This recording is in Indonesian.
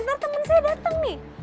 terus teman saya datang nih